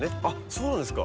そうなんですか。